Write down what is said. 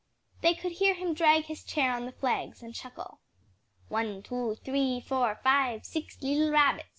They could hear him drag his chair on the flags, and chuckle "One, two, three, four, five, six leetle rabbits!"